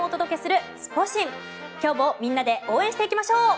今日もみんなで応援していきましょう。